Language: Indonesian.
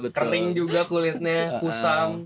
kering juga kulitnya kusam